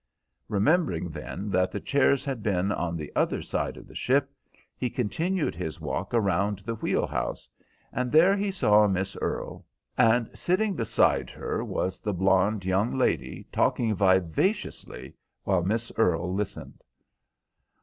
Remembering then that the chairs had been on the other side of the ship, he continued his walk around the wheel house, and there he saw Miss Earle, and sitting beside her was the blonde young lady talking vivaciously, while Miss Earle listened.